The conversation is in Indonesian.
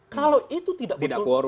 kalau itu tidak betul